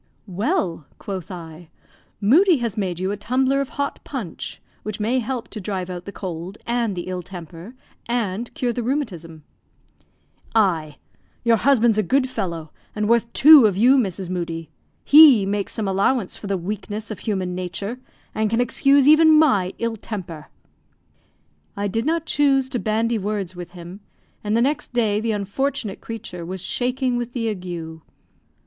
"Well," quoth I, "Moodie has made you a tumbler of hot punch, which may help to drive out the cold and the ill temper, and cure the rheumatism." "Ay; your husband's a good fellow, and worth two of you, Mrs. Moodie. He makes some allowance for the weakness of human nature, and can excuse even my ill temper." I did not choose to bandy words with him, and the next day the unfortunate creature was shaking with the ague.